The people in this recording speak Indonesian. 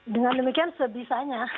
dengan demikian sebisanya